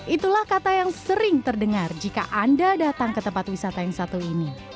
itulah kata yang sering terdengar jika anda datang ke tempat wisata yang satu ini